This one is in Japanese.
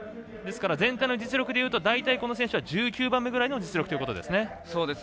ですから、全体の実力でいうと大体この選手は１９番目ぐらいの実力ということですね。